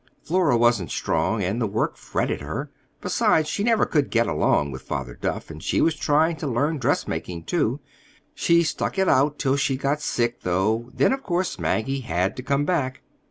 Flora wasn't strong, and the work fretted her. Besides, she never could get along with Father Duff, and she was trying to learn dressmaking, too. She stuck it out till she got sick, though, then of course Maggie had to come back."